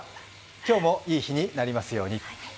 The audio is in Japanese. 今日もいい日になりますように。